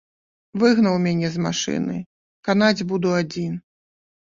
Выгнаў мяне з машыны, канаць буду адзін.